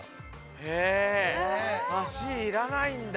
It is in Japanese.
へえシいらないんだ。